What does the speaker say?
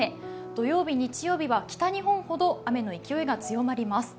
土曜日、日曜日は北日本ほど雨の勢いが強まります。